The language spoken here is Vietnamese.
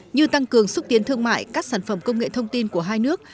như tăng cường xúc tiến thương mại các sản phẩm công nghệ thông tin của hai nước